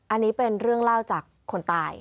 อันนี้เป็นเรื่องเล่าจากคนตาย